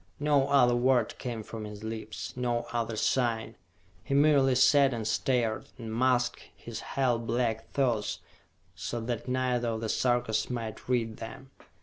No other word came from his lips, no other sign. He merely sat and stared, and masked his hell black thoughts so that neither of the Sarkas might read them.